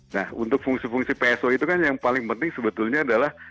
nah untuk fungsi fungsi pso itu kan yang paling penting sebetulnya adalah